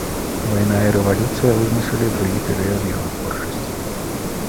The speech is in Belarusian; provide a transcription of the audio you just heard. Вайна і рэвалюцыя вызначылі другі перыяд яго творчасці.